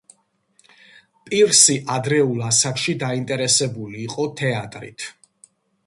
პირსი ადრეულ ასაკში დაინტერესებული იყო თეატრით.